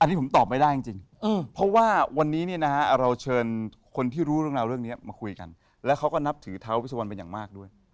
อันนี้ผมตอบไม่ได้จริงเพราะว่าวันนี้เนี่ยนะฮะเราเชิญคนที่รู้เรื่องราวเรื่องนี้มาคุยกันแล้วเขาก็นับถือท้าเวสวันเป็นอย่างมากด้วย